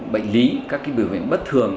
bệnh lý các biểu hiện bất thường